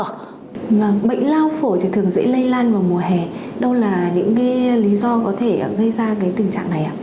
bệnh lao phổ thì thường dễ lây lan vào mùa hè đâu là những lý do có thể gây ra tình trạng này ạ